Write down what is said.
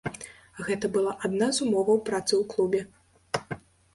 Гэта была адна з умоваў працы ў клубе.